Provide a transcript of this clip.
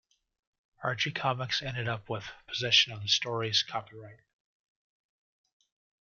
Archie Comics ended up with possession of the story's copyright.